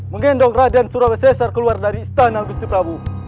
mengendong raden surabaya caesar keluar dari istana gusti prabu